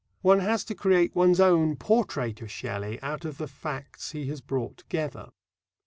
One has to create one's own portrait of Shelley out of the facts he has brought together.